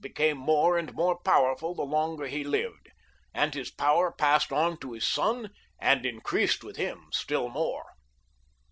became more and more powerful the longer he lived, and his power passed on to his son and increased with him still more.